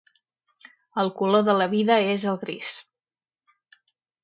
El color de la vida és el gris.